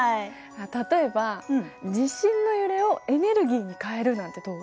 例えば地震の揺れをエネルギーに変えるなんてどう？